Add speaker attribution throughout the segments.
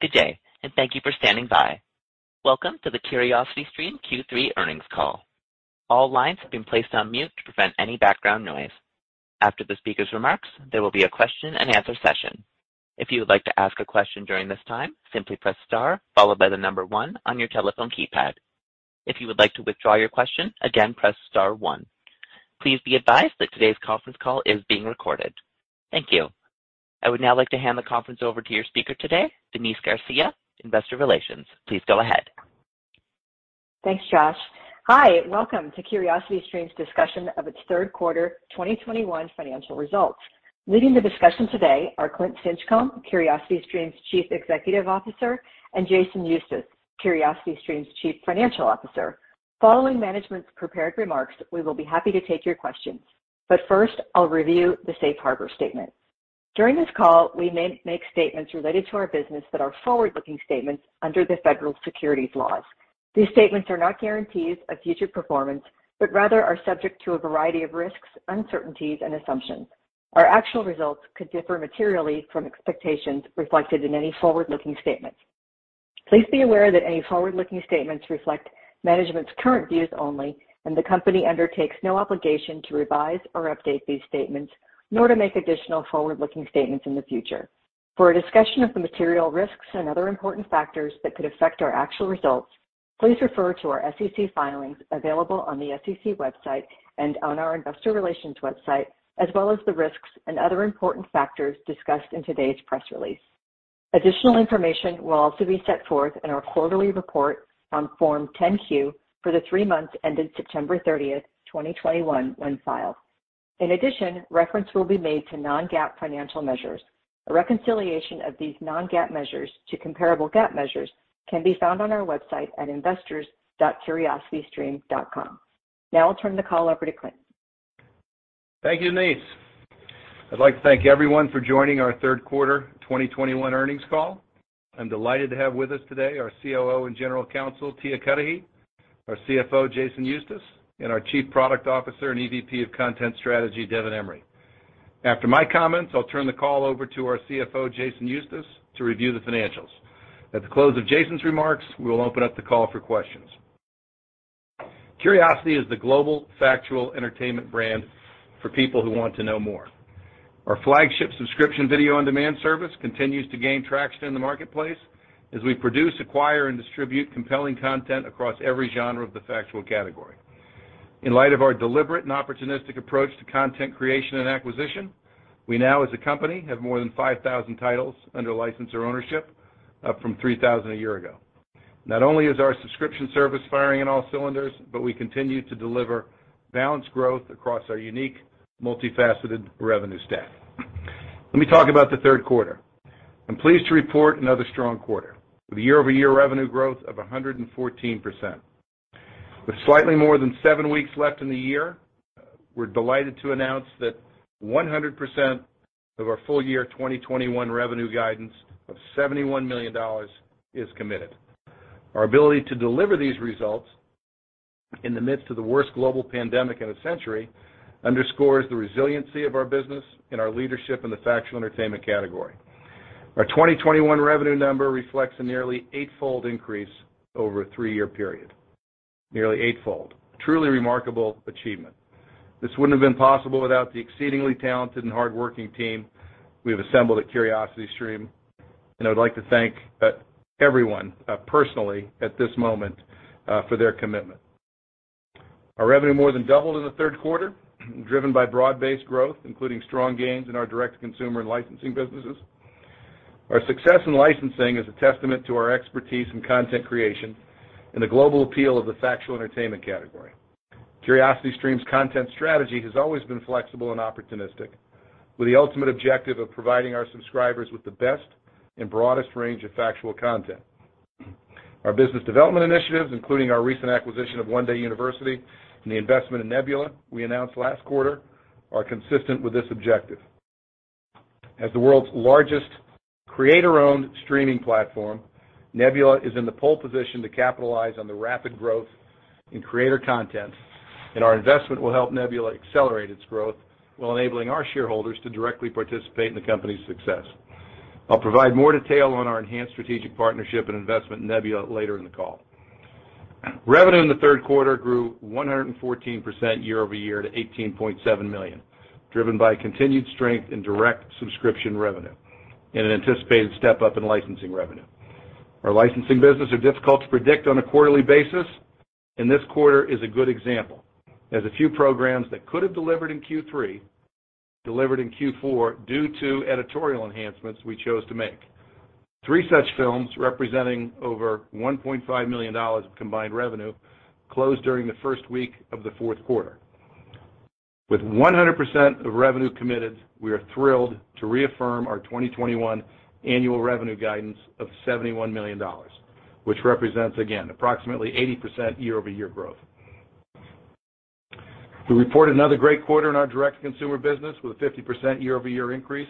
Speaker 1: Good day, and thank you for standing by. Welcome to the CuriosityStream Q3 earnings call. All lines have been placed on mute to prevent any background noise. After the speaker's remarks, there will be a question-and-answer session. If you would like to ask a question during this time, simply Press Star followed by the number one on your telephone keypad. If you would like to withdraw your question, again, Press Star one. Please be advised that today's conference call is being recorded. Thank you. I would now like to hand the conference over to your speaker today, Denise Garcia, Investor Relations. Please go ahead.
Speaker 2: Thanks, Josh. Hi. Welcome to CuriosityStream's discussion of its Q3 2021 financial results. Leading the discussion today are Clint Stinchcomb, CuriosityStream's Chief Executive Officer, and Jason Eustace, CuriosityStream's Chief Financial Officer. Following management's prepared remarks, we will be happy to take your questions. First, I'll review the safe harbor statement. During this call, we may make statements related to our business that are forward-looking statements under the federal securities laws. These statements are not guarantees of future performance, but rather are subject to a variety of risks, uncertainties, and assumptions. Our actual results could differ materially from expectations reflected in any forward-looking statements. Please be aware that any forward-looking statements reflect management's current views only, and the company undertakes no obligation to revise or update these statements, nor to make additional forward-looking statements in the future. For a discussion of the material risks and other important factors that could affect our actual results, please refer to our SEC filings available on the SEC website and on our investor relations website, as well as the risks and other important factors discussed in today's press release. Additional information will also be set forth in our quarterly report on Form 10-Q for the three months ended September 30, 2021, when filed. In addition, reference will be made to non-GAAP financial measures. A reconciliation of these non-GAAP measures to comparable GAAP measures can be found on our website at investors.curiositystream.com. Now I'll turn the call over to Clint.
Speaker 3: Thank you, Denise. I'd like to thank everyone for joining our third quarter 2021 earnings call. I'm delighted to have with us today our COO and General Counsel, Tia Cudahy, our CFO, Jason Eustace, and our Chief Product Officer and EVP of Content Strategy, Devin Emery. After my comments, I'll turn the call over to our CFO, Jason Eustace, to review the financials. At the close of Jason's remarks, we will open up the call for questions. Curiosity is the global factual entertainment brand for people who want to know more. Our flagship subscription video on-demand service continues to gain traction in the marketplace as we produce, acquire, and distribute compelling content across every genre of the factual category. In light of our deliberate and opportunistic approach to content creation and acquisition, we now, as a company, have more than 5,000 titles under license or ownership, up from 3,000 a year ago. Not only is our subscription service firing on all cylinders, but we continue to deliver balanced growth across our unique, multifaceted revenue stack. Let me talk about the third quarter. I'm pleased to report another strong quarter with a year-over-year revenue growth of 114%. With slightly more than seven weeks left in the year, we're delighted to announce that 100% of our full-year 2021 revenue guidance of $71 million is committed. Our ability to deliver these results in the midst of the worst global pandemic in a century underscores the resiliency of our business and our leadership in the factual entertainment category. Our 2021 revenue number reflects a nearly 8-fold increase over a three year period. Nearly eight fold. Truly remarkable achievement. This wouldn't have been possible without the exceedingly talented and hardworking team we have assembled at CuriosityStream, and I would like to thank everyone personally at this moment for their commitment. Our revenue more than doubled in the third quarter, driven by broad-based growth, including strong gains in our direct-to-consumer and licensing businesses. Our success in licensing is a testament to our expertise in content creation and the global appeal of the factual entertainment category. CuriosityStream's content strategy has always been flexible and opportunistic, with the ultimate objective of providing our subscribers with the best and broadest range of factual content. Our business development initiatives, including our recent acquisition of One Day University and the investment in Nebula we announced last quarter, are consistent with this objective. As the world's largest creator-owned streaming platform, Nebula is in the pole position to capitalize on the rapid growth in creator content, and our investment will help Nebula accelerate its growth while enabling our shareholders to directly participate in the company's success. I'll provide more detail on our enhanced strategic partnership and investment in Nebula later in the call. Revenue in the third quarter grew 114% year-over-year to $18.7 million, driven by continued strength in direct subscription revenue and an anticipated step-up in licensing revenue. Our licensing business are difficult to predict on a quarterly basis, and this quarter is a good example, as a few programs that could have delivered in Q3 delivered in Q4 due to editorial enhancements we chose to make. Three such films, representing over $1.5 million of combined revenue, closed during the first week of the fourth quarter. With 100% of revenue committed, we are thrilled to reaffirm our 2021 annual revenue guidance of $71 million, which represents again approximately 80% year-over-year growth. We report another great quarter in our direct-to-consumer business with a 50% year-over-year increase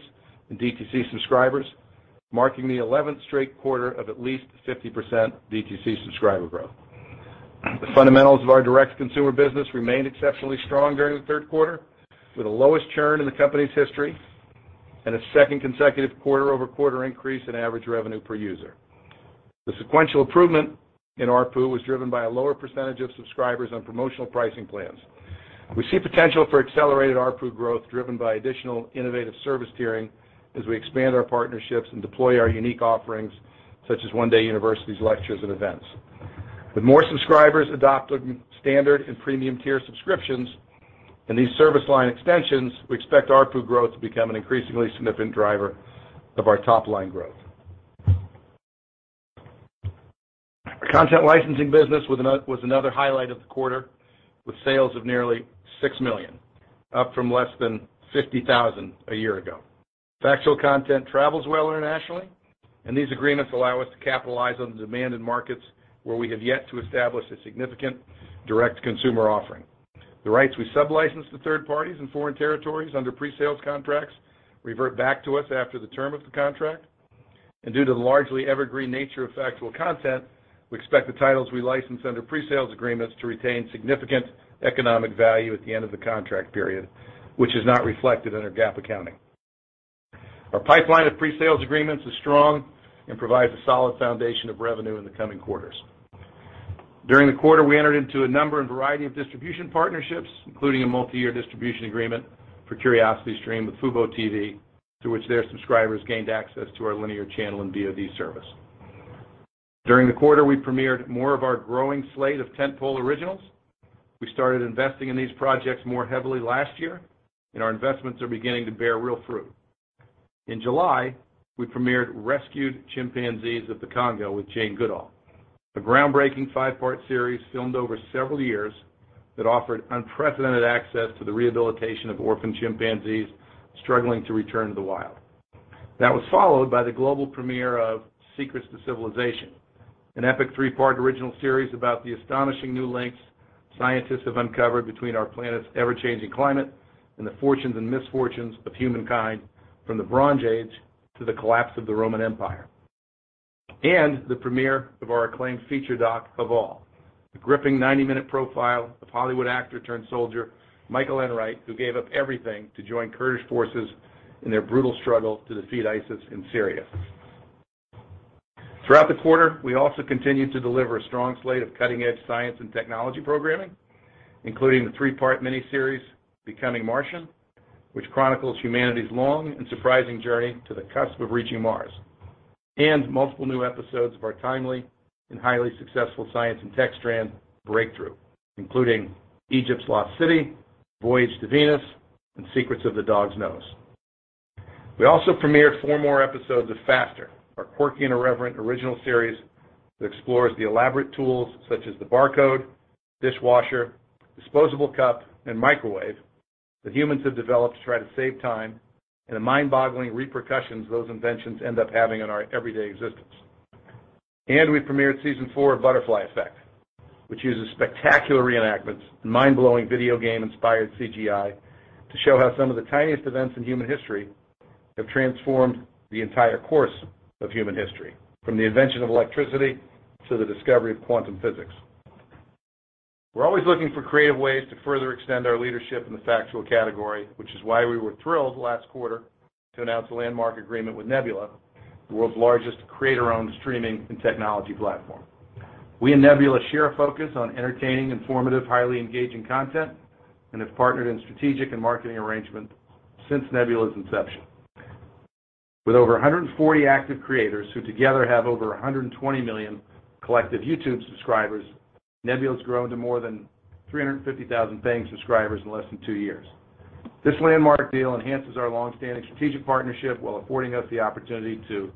Speaker 3: in DTC subscribers, marking the 11th straight quarter of at least 50% DTC subscriber growth. The fundamentals of our direct-to-consumer business remained exceptionally strong during the third quarter, with the lowest churn in the company's history and a second consecutive quarter-over-quarter increase in average revenue per user. The sequential improvement in ARPU was driven by a lower percentage of subscribers on promotional pricing plans. We see potential for accelerated ARPU growth driven by additional innovative service tiering as we expand our partnerships and deploy our unique offerings, such as One Day University's lectures and events. With more subscribers adopting standard and premium tier subscriptions and these service line extensions, we expect ARPU growth to become an increasingly significant driver of our top-line growth. Our content licensing business was another highlight of the quarter, with sales of nearly $6 million, up from less than $50,000 a year ago. Factual content travels well internationally, and these agreements allow us to capitalize on the demand in markets where we have yet to establish a significant direct consumer offering. The rights we sublicense to third parties in foreign territories under pre-sales contracts revert back to us after the term of the contract, and due to the largely evergreen nature of factual content, we expect the titles we license under pre-sales agreements to retain significant economic value at the end of the contract period, which is not reflected in our GAAP accounting. Our pipeline of pre-sales agreements is strong and provides a solid foundation of revenue in the coming quarters. During the quarter, we entered into a number and variety of distribution partnerships, including a multiyear distribution agreement for CuriosityStream with FuboTV, through which their subscribers gained access to our linear channel and VOD service. During the quarter, we premiered more of our growing slate of tentpole originals. We started investing in these projects more heavily last year, and our investments are beginning to bear real fruit. In July, we premiered Rescued Chimpanzees of the Congo with Jane Goodall, a groundbreaking five-part series filmed over several years that offered unprecedented access to the rehabilitation of orphaned chimpanzees struggling to return to the wild. That was followed by the global premiere of Secrets of Civilization, an epic three-part original series about the astonishing new links scientists have uncovered between our planet's ever-changing climate and the fortunes and misfortunes of humankind from the Bronze Age to the collapse of the Roman Empire. The premiere of our acclaimed feature doc, AWOL, a gripping 90-minute profile of Hollywood actor turned soldier, Michael Enright, who gave up everything to join Kurdish forces in their brutal struggle to defeat ISIS in Syria. Throughout the quarter, we also continued to deliver a strong slate of cutting-edge science and technology programming, including the three-part miniseries, Becoming Martian, which chronicles humanity's long and surprising journey to the cusp of reaching Mars, and multiple new episodes of our timely and highly successful science and tech strand, Breakthrough, including Egypt's Lost City, Voyage to Venus, and Secrets of the Dog's Nose. We also premiered four more episodes of FASTER!, our quirky and irreverent original series that explores the elaborate tools such as the barcode, dishwasher, disposable cup, and microwave that humans have developed to try to save time and the mind-boggling repercussions those inventions end up having on our everyday existence. We premiered season four of Butterfly Effect, which uses spectacular reenactments and mind-blowing video game-inspired CGI to show how some of the tiniest events in human history have transformed the entire course of human history, from the invention of electricity to the discovery of quantum physics. We're always looking for creative ways to further extend our leadership in the factual category, which is why we were thrilled last quarter to announce a landmark agreement with Nebula, the world's largest creator-owned streaming and technology platform. We and Nebula share a focus on entertaining, informative, highly engaging content and have partnered in strategic and marketing arrangements since Nebula's inception. With over 140 active creators who together have over 120 million collective YouTube subscribers, Nebula's grown to more than 350,000 paying subscribers in less than two years. This landmark deal enhances our long-standing strategic partnership while affording us the opportunity to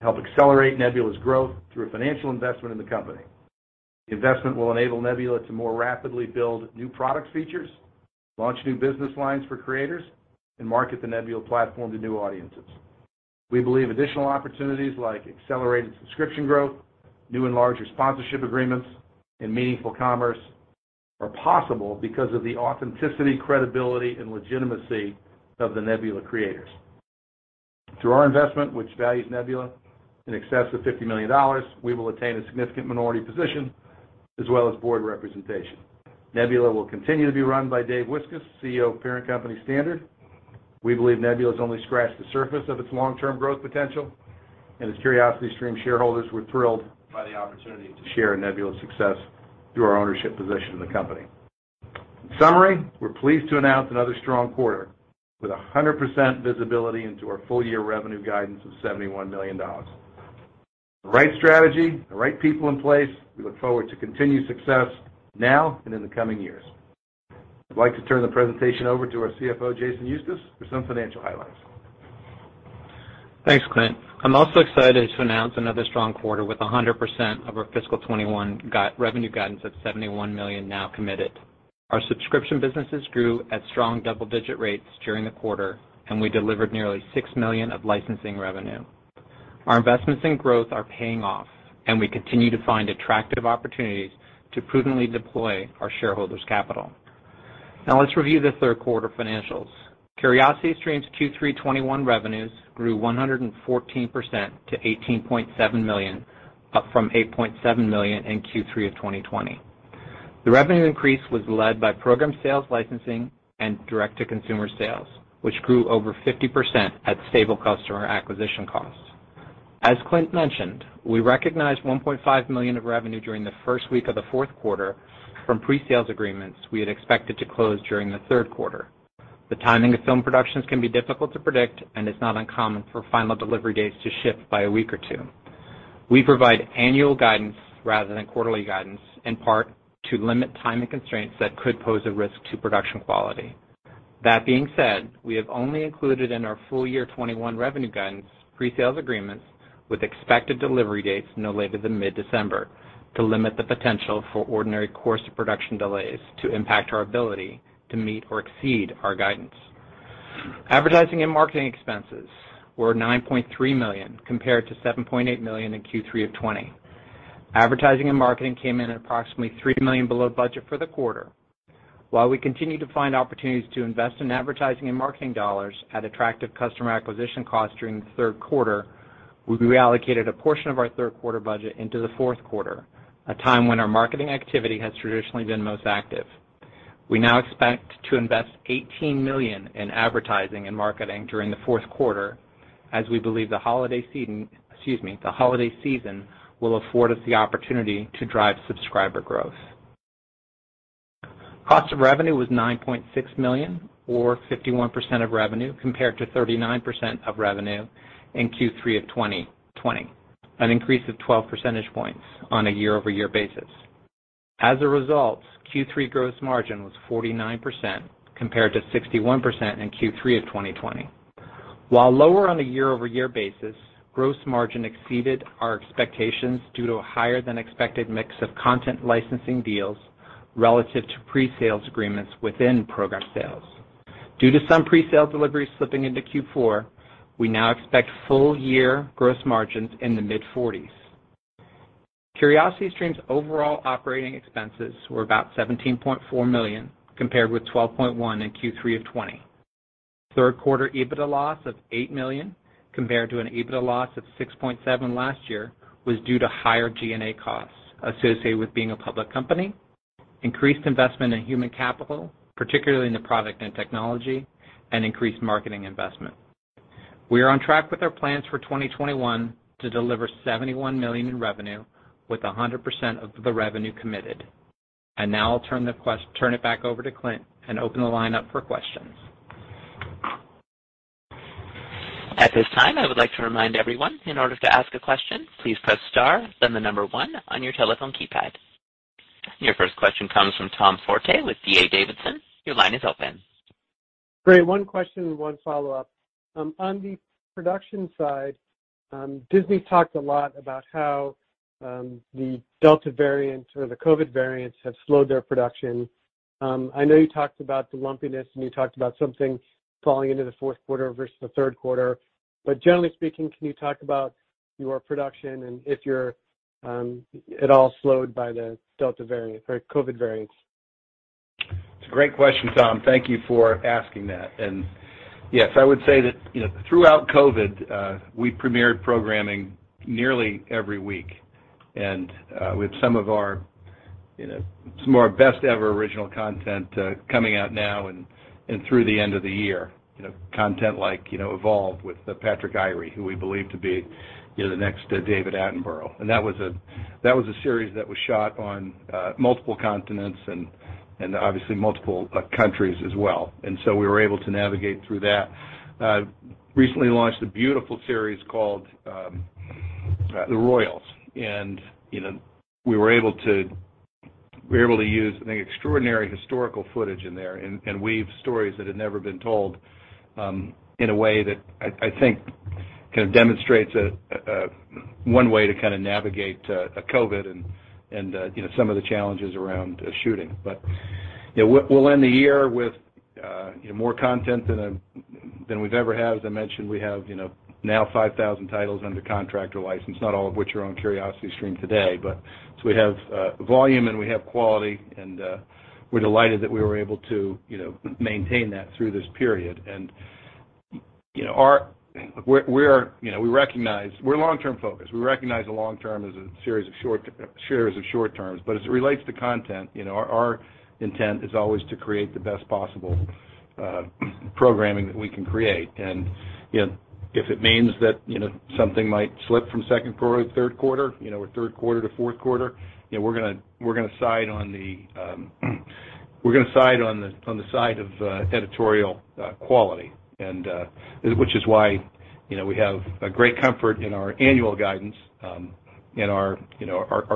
Speaker 3: help accelerate Nebula's growth through a financial investment in the company. The investment will enable Nebula to more rapidly build new product features, launch new business lines for creators, and market the Nebula platform to new audiences. We believe additional opportunities like accelerated subscription growth, new and larger sponsorship agreements, and meaningful commerce are possible because of the authenticity, credibility, and legitimacy of the Nebula creators. Through our investment, which values Nebula in excess of $50 million, we will attain a significant minority position as well as board representation. Nebula will continue to be run by Dave Wiskus, CEO of parent company Standard. We believe Nebula's only scratched the surface of its long-term growth potential, and as CuriosityStream shareholders, we're thrilled by the opportunity to share in Nebula's success through our ownership position in the company. In summary, we're pleased to announce another strong quarter with 100% visibility into our full-year revenue guidance of $71 million. The right strategy, the right people in place, we look forward to continued success now and in the coming years. I'd like to turn the presentation over to our CFO, Jason Eustace, for some financial highlights.
Speaker 4: Thanks, Clint. I'm also excited to announce another strong quarter with 100% of our fiscal 2021 revenue guidance of $71 million now committed. Our subscription businesses grew at strong double-digit rates during the quarter, and we delivered nearly $6 million of licensing revenue. Our investments in growth are paying off, and we continue to find attractive opportunities to prudently deploy our shareholders' capital. Now let's review the third quarter financials. CuriosityStream's Q3 2021 revenues grew 114% to $18.7 million, up from $8.7 million in Q3 of 2020. The revenue increase was led by program sales, licensing and direct-to-consumer sales, which grew over 50% at stable customer acquisition costs. As Clint mentioned, we recognized $1.5 million of revenue during the first week of the fourth quarter from pre-sales agreements we had expected to close during the third quarter. The timing of film productions can be difficult to predict, and it's not uncommon for final delivery dates to shift by a week or two. We provide annual guidance rather than quarterly guidance, in part to limit timing constraints that could pose a risk to production quality. That being said, we have only included in our full year 2021 revenue guidance pre-sales agreements with expected delivery dates no later than mid-December to limit the potential for ordinary course of production delays to impact our ability to meet or exceed our guidance. Advertising and marketing expenses were $9.3 million, compared to $7.8 million in Q3 of 2020. Advertising and marketing came in at approximately $3 million below budget for the quarter. While we continue to find opportunities to invest in advertising and marketing dollars at attractive customer acquisition costs during the third quarter, we reallocated a portion of our third quarter budget into the fourth quarter, a time when our marketing activity has traditionally been most active. We now expect to invest $18 million in advertising and marketing during the fourth quarter, as we believe the holiday season, excuse me, the holiday season will afford us the opportunity to drive subscriber growth. Cost of revenue was $9.6 million or 51% of revenue compared to 39% of revenue in Q3 of 2020, an increase of 12 percentage points on a year-over-year basis. As a result, Q3 gross margin was 49% compared to 61% in Q3 of 2020. While lower on a year-over-year basis, gross margin exceeded our expectations due to a higher than expected mix of content licensing deals relative to pre-sales agreements within progress sales. Due to some presale deliveries slipping into Q4, we now expect full-year gross margins in the mid-40s%. CuriosityStream's overall operating expenses were about $17.4 million, compared with $12.1 million in Q3 of 2020. Q3 EBITDA loss of $8 million, compared to an EBITDA loss of $6.7 million last year, was due to higher G&A costs associated with being a public company, increased investment in human capital, particularly in the product and technology, and increased marketing investment. We are on track with our plans for 2021 to deliver $71 million in revenue with 100% of the revenue committed. I'll turn it back over to Clint and open the line up for questions.
Speaker 1: At this time, I would like to remind everyone, in order to ask a question, please Press Star, then one on your telephone keypad. Your first question comes from Tom Forte with D.A. Davidson. Your line is open.
Speaker 5: Great. One question with one follow-up. On the production side, Disney talked a lot about how the Delta variant or the COVID variants have slowed their production. I know you talked about the lumpiness, and you talked about something falling into the fourth quarter versus the third quarter. But generally speaking, can you talk about your production and if you're at all slowed by the Delta variant or COVID variants?
Speaker 3: It's a great question, Tom. Thank you for asking that. Yes, I would say that, you know, throughout COVID, we premiered programming nearly every week. With some of our, you know, some of our best ever original content, coming out now and through the end of the year. You know, content like, you know, Evolve with Patrick Aryee, who we believe to be, you know, the next David Attenborough. That was a series that was shot on multiple continents and obviously multiple countries as well. We were able to navigate through that. Recently launched a beautiful series called The Royals. You know, we were able to use, I think, extraordinary historical footage in there and weave stories that had never been told in a way that I think kind of demonstrates one way to kinda navigate COVID and you know some of the challenges around shooting. You know, we'll end the year with you know more content than we've ever had. As I mentioned, we have you know now 5,000 titles under contract or license, not all of which are on CuriosityStream today. But so we have volume and we have quality, and we're delighted that we were able to you know maintain that through this period. You know, we recognize we're long-term focused. We recognize the long term as a series of short terms. As it relates to content, you know, our intent is always to create the best possible programming that we can create. You know, if it means that, you know, something might slip from second quarter to third quarter, you know, or third quarter to fourth quarter, you know, we're gonna side on the side of editorial quality. Which is why, you know, we have great comfort in our annual guidance, and our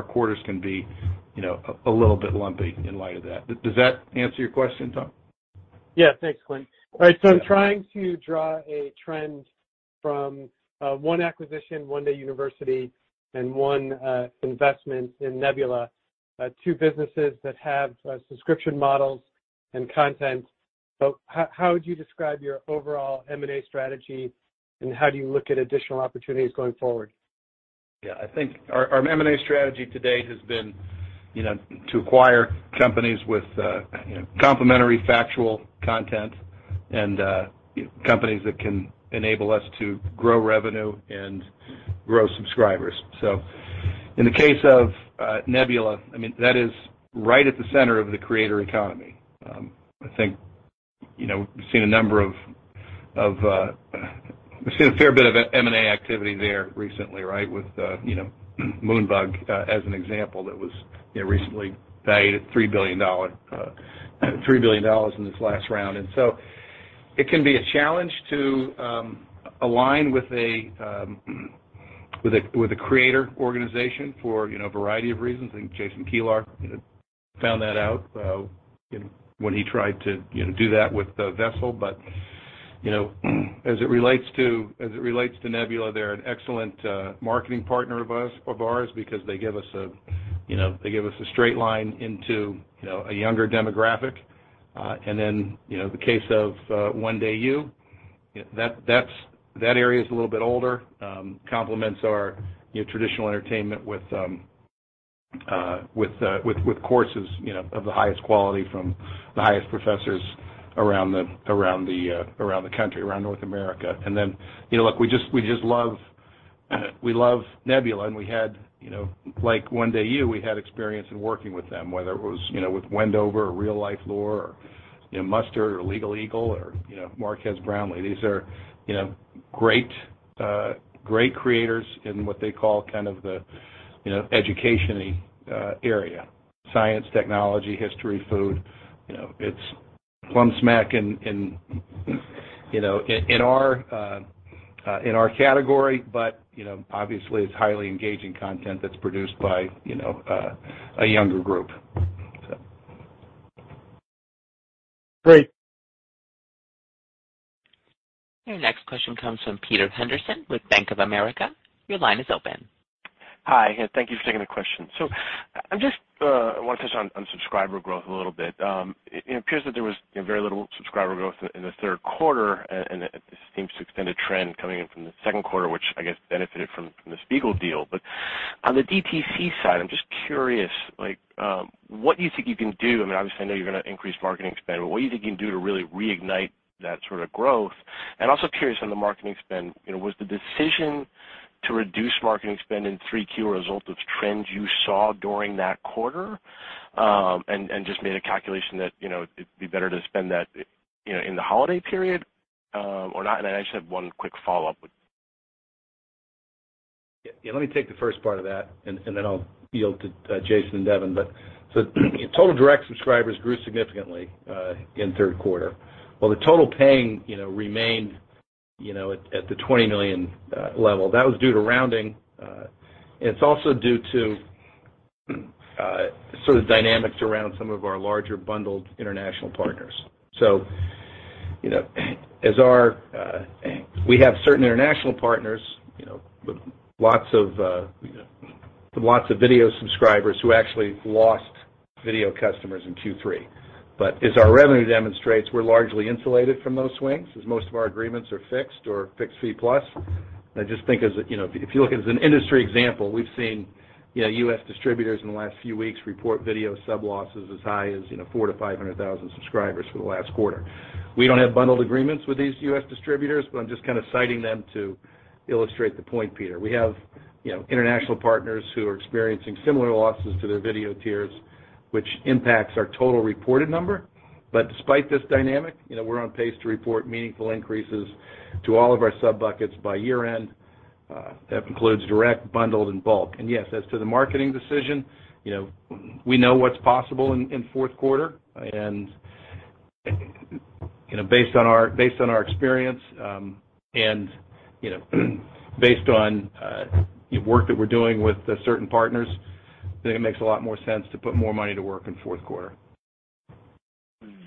Speaker 3: quarters can be, you know, a little bit lumpy in light of that. Does that answer your question, Tom?
Speaker 5: Thanks, Clint. All right. I'm trying to draw a trend from one acquisition, One Day University, and one investment in Nebula, two businesses that have subscription models and content. How would you describe your overall M&A strategy, and how do you look at additional opportunities going forward?
Speaker 3: Yeah, I think our M&A strategy to date has been, you know, to acquire companies with, you know, complementary factual content and companies that can enable us to grow revenue and grow subscribers. In the case of Nebula, I mean, that is right at the center of the creator economy. I think, you know, we've seen a fair bit of M&A activity there recently, right? With, you know, Moonbug as an example that was, you know, recently valued at $3 billion in this last round. It can be a challenge to align with a creator organization for, you know, a variety of reasons. I think Jason Kilar, you know, found that out when he tried to, you know, do that with the Vessel. You know, as it relates to Nebula, they're an excellent marketing partner of ours because they give us a straight line into, you know, a younger demographic. You know, the case of One Day University, that area is a little bit older, complements our, you know, traditional entertainment with courses, you know, of the highest quality from the highest professors around the country, around North America. You know, look, we love Nebula. We had, you know, like One Day University, we had experience in working with them, whether it was, you know, with Wendover or Real Life Lore or, you know, Mustard or LegalEagle or, you know, Marques Brownlee. These are, you know, great creators in what they call kind of the, you know, education-y area, science, technology, history, food. You know, it's plumb smack in our category, but, you know, obviously it's highly engaging content that's produced by, you know, a younger group.
Speaker 5: Great.
Speaker 1: Your next question comes from Peter Henderson with Bank of America. Your line is open.
Speaker 6: Hi, thank you for taking the question. I'm just want to touch on subscriber growth a little bit. It appears that there was, you know, very little subscriber growth in the third quarter, and it seems to extend a trend coming in from the second quarter, which I guess benefited from the SPIEGEL deal. On the DTC side, I'm just curious, like, what do you think you can do? I mean, obviously, I know you're gonna increase marketing spend, but what do you think you can do to really reignite that sort of growth? I'm also curious about the marketing spend, you know, was the decision to reduce marketing spend in 3Q a result of trends you saw during that quarter, and just made a calculation that, you know, it'd be better to spend that, you know, in the holiday period, or not? I just have one quick follow-up with
Speaker 3: Yeah. Let me take the first part of that, and then I'll yield to Jason and Devin. Total direct subscribers grew significantly in third quarter, while the total paying, you know, remained, you know, at the 20 million level. That was due to rounding. It's also due to sort of dynamics around some of our larger bundled international partners. You know, as we have certain international partners, you know, with lots of video subscribers who actually lost video customers in Q3. As our revenue demonstrates, we're largely insulated from those swings as most of our agreements are fixed or fixed fee plus. I just think, you know, if you look at as an industry example, we've seen, you know, U.S. distributors in the last few weeks report video sub losses as high as, you know, 400,000-500,000 subscribers for the last quarter. We don't have bundled agreements with these U.S. distributors, but I'm just kind of citing them to illustrate the point, Peter. We have, you know, international partners who are experiencing similar losses to their video tiers, which impacts our total reported number. But despite this dynamic, you know, we're on pace to report meaningful increases to all of our sub buckets by year-end. That includes direct, bundled, and bulk. Yes, as to the marketing decision, you know, we know what's possible in fourth quarter. Based on our experience, based on work that we're doing with certain partners, I think it makes a lot more sense to put more money to work in fourth quarter.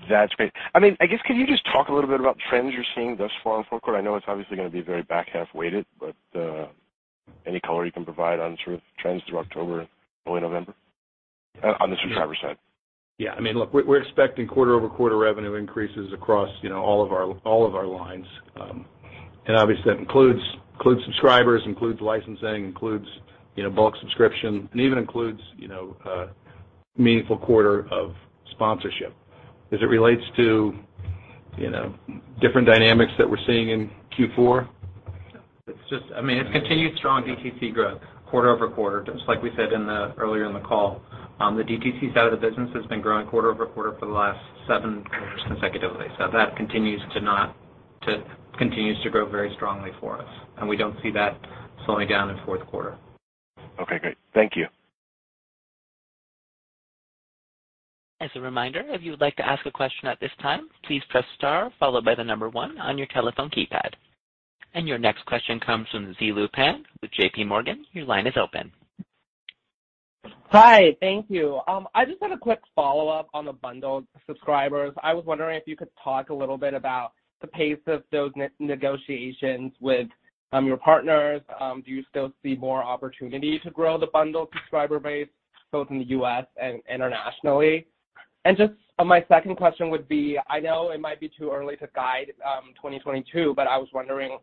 Speaker 6: That's great. I mean, I guess could you just talk a little bit about trends you're seeing thus far in fourth quarter? I know it's obviously gonna be very back half weighted, but, any color you can provide on sort of trends through October, early November on the subscriber side?
Speaker 3: Yeah. I mean, look, we're expecting quarter-over-quarter revenue increases across, you know, all of our lines. Obviously, that includes subscribers, licensing, you know, meaningful quarter-over-quarter sponsorship. As it relates to, you know, different dynamics that we're seeing in Q4.
Speaker 4: It's just, I mean, it's continued strong DTC growth quarter-over-quarter, just like we said earlier in the call. The DTC side of the business has been growing quarter-over-quarter for the last seven quarters consecutively. That continues to grow very strongly for us, and we don't see that slowing down in fourth quarter.
Speaker 6: Okay, great. Thank you.
Speaker 1: As a reminder, if you would like to ask a question at this time, please press star followed by one on your telephone keypad. Your next question comes from Zilu Pan with JP Morgan. Your line is open.
Speaker 7: Hi. Thank you. I just had a quick follow-up on the bundled subscribers. I was wondering if you could talk a little bit about the pace of those negotiations with your partners. Do you still see more opportunity to grow the bundled subscriber base, both in the U.S. and internationally? Just my second question would be, I know it might be too early to guide 2022, but I was wondering,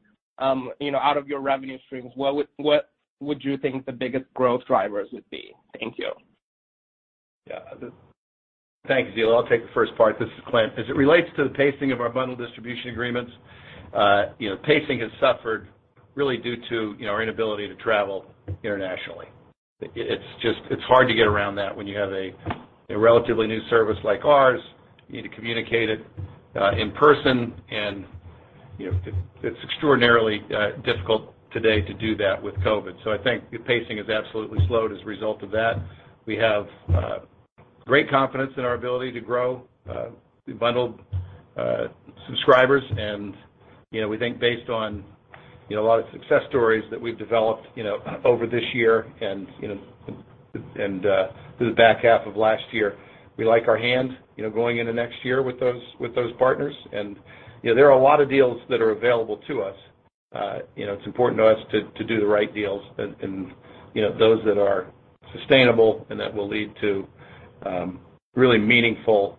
Speaker 7: you know, out of your revenue streams, what would you think the biggest growth drivers would be? Thank you.
Speaker 3: Thanks, Zilu. I'll take the first part. This is Clint. As it relates to the pacing of our bundle distribution agreements, you know, pacing has suffered really due to, you know, our inability to travel internationally. It's just. It's hard to get around that when you have a relatively new service like ours. You need to communicate it in person and, you know, it's extraordinarily difficult today to do that with COVID. I think the pacing has absolutely slowed as a result of that. We have great confidence in our ability to grow bundled subscribers, and, you know, we think based on, you know, a lot of success stories that we've developed, you know, over this year and, you know, through the back half of last year, we like our hand, you know, going into next year with those partners. You know, there are a lot of deals that are available to us. You know, it's important to us to do the right deals and, you know, those that are sustainable and that will lead to really meaningful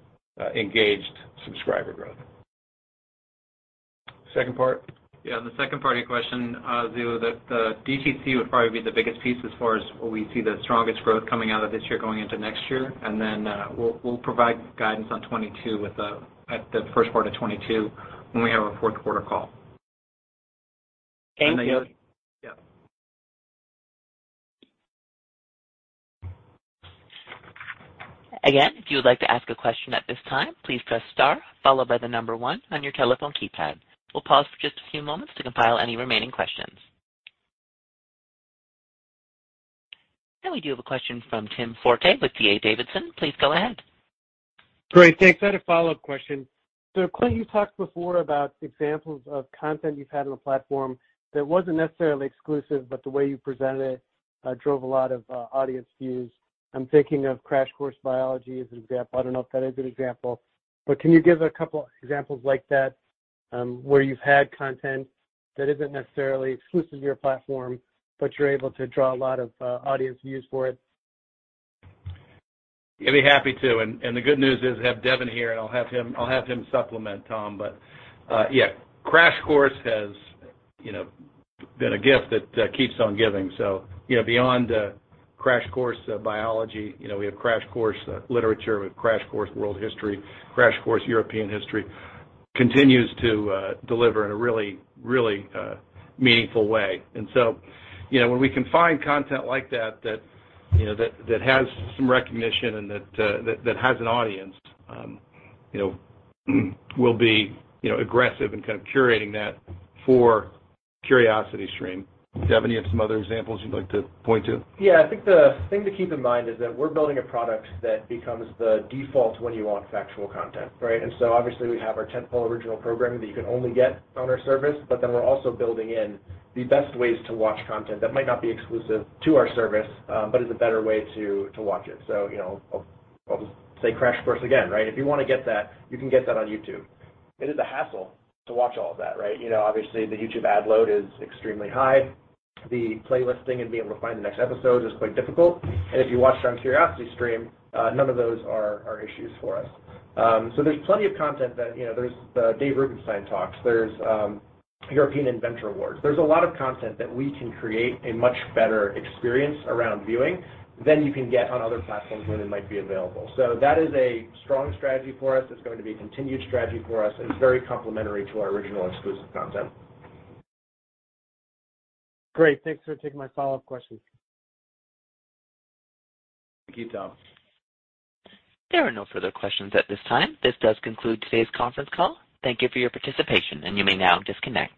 Speaker 3: engaged subscriber growth. Second part?
Speaker 8: Yeah, the second part of your question, Zilu, the DTC would probably be the biggest piece as far as where we see the strongest growth coming out of this year going into next year. Then, we'll provide guidance on 2022 at the first part of 2022 when we have our fourth quarter call.
Speaker 7: Thank you.
Speaker 8: Yeah.
Speaker 1: Again, if you would like to ask a question at this time, please press star followed by the number one on your telephone keypad. We'll pause for just a few moments to compile any remaining questions. We do have a question from Tom Forte with D.A. Davidson. Please go ahead.
Speaker 5: Great. Thanks. I had a follow-up question. Clint, you talked before about examples of content you've had on the platform that wasn't necessarily exclusive, but the way you presented it drove a lot of audience views. I'm thinking of Crash Course Biology as an example. I don't know if that is a good example. Can you give a couple examples like that, where you've had content that isn't necessarily exclusive to your platform, but you're able to draw a lot of audience views for it?
Speaker 3: I'd be happy to. The good news is I have Devin here, and I'll have him supplement, Tom. Yeah, Crash Course has, you know, been a gift that keeps on giving. You know, beyond Crash Course Biology, you know, we have Crash Course Literature, we have Crash Course World History, Crash Course European History, continues to deliver in a really meaningful way. You know, when we can find content like that that has some recognition and that has an audience, you know, we'll be, you know, aggressive in kind of curating that for CuriosityStream. Devin, you have some other examples you'd like to point to?
Speaker 8: Yeah. I think the thing to keep in mind is that we're building a product that becomes the default when you want factual content, right? Obviously we have our tentpole original programming that you can only get on our service, but then we're also building in the best ways to watch content that might not be exclusive to our service, but is a better way to watch it. You know, I'll say Crash Course again, right? If you wanna get that, you can get that on YouTube.It is a hassle to watch all of that, right? You know, obviously the YouTube ad load is extremely high. The playlisting and being able to find the next episode is quite difficult. If you watch it on CuriosityStream, none of those are issues for us. There's plenty of content that, you know, there's the David Rubenstein talks, there's European Inventor Award. There's a lot of content that we can create a much better experience around viewing than you can get on other platforms when it might be available. That is a strong strategy for us. It's going to be a continued strategy for us, and it's very complementary to our original exclusive content.
Speaker 5: Great. Thanks for taking my follow-up question.
Speaker 3: Thank you, Tom.
Speaker 1: There are no further questions at this time. This does conclude today's conference call. Thank you for your participation, and you may now disconnect.